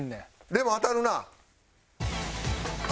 でも当たるなあ。